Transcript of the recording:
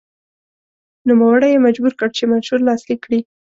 نوموړی یې مجبور کړ چې منشور لاسلیک کړي.